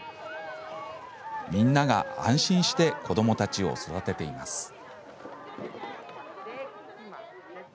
みんなが安心して子どもたちを育てています。